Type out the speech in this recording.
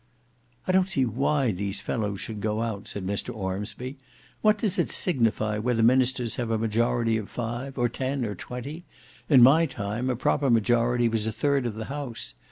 "I don't see why these fellows should go out," said Mr Ormsby. "What does it signify whether ministers have a majority of five, or ten or twenty? In my time, a proper majority was a third of the House.